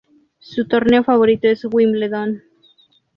Su torneo favorito es Wimbledon.